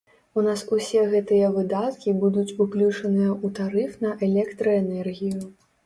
У нас усе гэтыя выдаткі будуць уключаныя ў тарыф на электраэнергію.